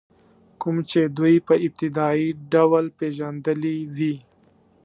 کوم چې دوی په ابتدایي ډول پېژندلي وي.